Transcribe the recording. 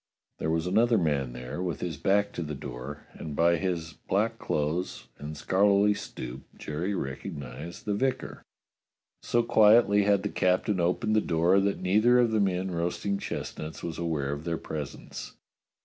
There was another man there, with his back to the door, and by his black clothes and scholarly stoop Jerry recognized the vicar. So quietly had the captain opened the door that neither of the men roasting chestnuts was aware of their pres ence.